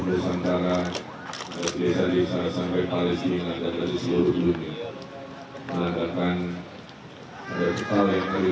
desa desa antara sampai palestina dan dari seluruh dunia melakukan hal hal yang kami